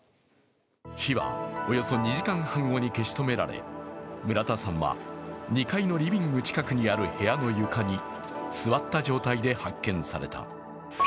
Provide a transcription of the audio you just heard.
火はおよそ２時間半後に消し止められ村田さんは２階のリビング近くにある部屋の床に座った状態で発見された。